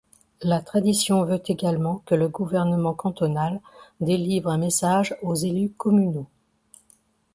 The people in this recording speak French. La tradition veut également que le Gouvernement cantonal délivre un message aux élus communaux.